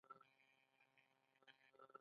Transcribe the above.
زړه ټولې حجرې ته وینه رسوي.